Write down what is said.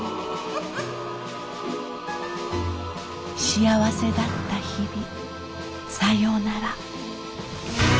幸せだった日々さようなら。